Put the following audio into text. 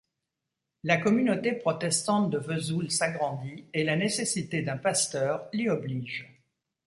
La communauté protestante de Vesoul s'agrandit et la nécessité d'un pasteur l'y oblige.